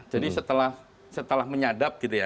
jadi setelah setelah menyadap gitu ya